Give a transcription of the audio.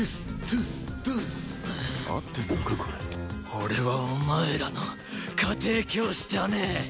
俺はお前らの家庭教師じゃねえ！